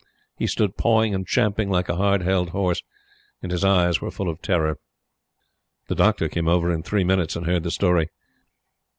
He stood pawing and champing like a hard held horse, and his eyes were full of terror. The Doctor came over in three minutes, and heard the story.